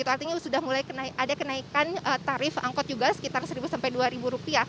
artinya sudah mulai ada kenaikan tarif angkut juga sekitar rp satu rp dua